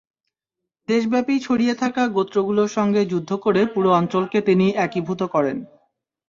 দেশব্যাপী ছড়িয়ে থাকা গোত্রগুলোর সঙ্গে যুদ্ধ করে পুরো অঞ্চলকে তিনি একীভূত করেন।